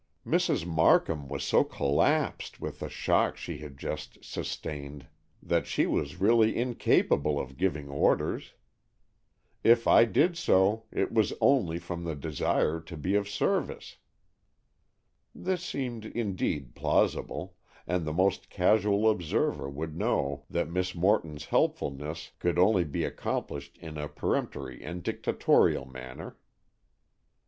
Mrs. Markham was so collapsed with the shock she had just sustained, that she was really incapable of giving orders. If I did so, it was only from a desire to be of service." This seemed indeed plausible, and the most casual observer would know that Miss Morton's "helpfulness" could only be accomplished in a peremptory and dictatorial manner.